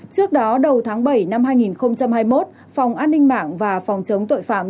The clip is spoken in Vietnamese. trước đó đầu tháng bảy năm hai nghìn hai mươi một phòng an ninh mạng và phòng chống tội phạm